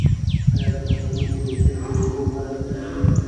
آیا د پښتنو په کلتور کې د اوبو قدر نه کیږي؟